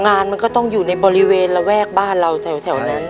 งานมันก็ต้องอยู่ในบริเวณระแวกบ้านเราแถวนั้น